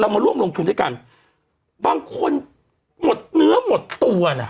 มาร่วมลงทุนด้วยกันบางคนหมดเนื้อหมดตัวน่ะ